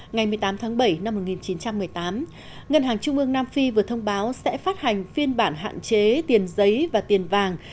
ngày một mươi tám tháng bảy năm một nghìn chín trăm một mươi tám ngân hàng trung ương nam phi vừa thông báo sẽ phát hành phiên bản hạn chế tiền giấy và tiền vàng